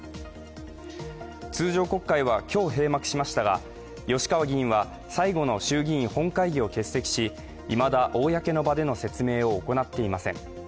通常国会は今日閉幕しましたが吉川議員は最後の衆議院本会議を欠席し、いまだ、公の場での説明を行っていません。